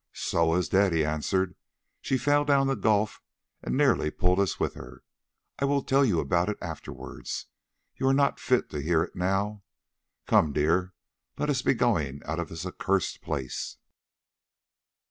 "Soa is dead," he answered. "She fell down the gulf and nearly pulled us with her. I will tell you all about it afterwards; you are not fit to hear it now. Come, dear, let us be going out of this accursed place."